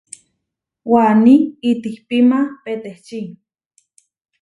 Waní itihpíma petečí.